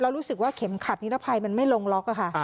รู้สึกว่าเข็มขัดนิรภัยมันไม่ลงล็อกค่ะ